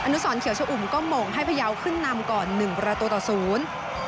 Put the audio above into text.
อนุสรเขียวฉอุ่มก็หมกให้พยาวขึ้นนำก่อน๑ประตูต่อ๐